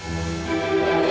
mau gue buang